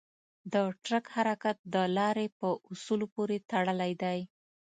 د ټرک حرکت د لارې په اصولو پورې تړلی دی.